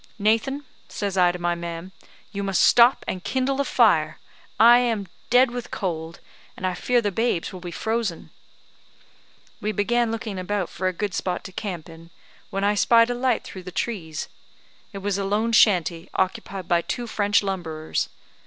'Nathan,' says I to my man, 'you must stop and kindle a fire; I am dead with cold, and I fear the babes will be frozen.' We began looking about for a good spot to camp in, when I spied a light through the trees. It was a lone shanty, occupied by two French lumberers.